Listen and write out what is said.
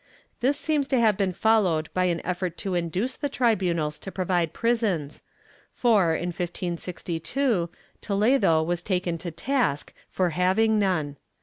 This seems to have been followed by an effort to induce the tribunals to provide prisons, for, in 1562, Toledo was taken to task for having none.